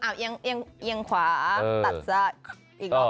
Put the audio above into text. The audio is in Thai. เอาเอียงขวาตัดซะ